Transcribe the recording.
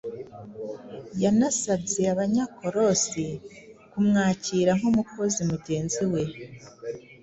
Yanasabye Abanyakolosi kumwakira nk’umukozi mugenzi we